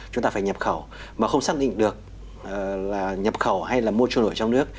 chúng ta phải nhập khẩu mà không xác định được là nhập khẩu hay là mua trôi nổi trong nước